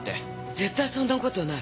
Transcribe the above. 絶対そんなことない！